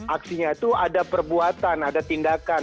aksinya itu ada perbuatan ada tindakan